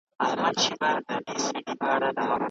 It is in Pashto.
ښځې د پوهې له لارې ځواکمنې شوې دي.